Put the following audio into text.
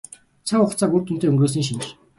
Цаг хугацааг үр дүнтэй өнгөрөөсний шинж.